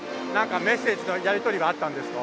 メッセージのやり取りがあったんですか？